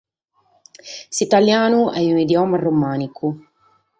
S’ italianu est un’idioma romànicu.